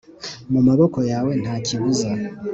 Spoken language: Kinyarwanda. mu maboko yawe nta kibuza